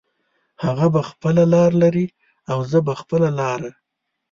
هغه به خپله لار لري او زه به خپله لاره